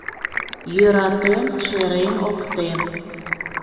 Йöратен шерем ок тем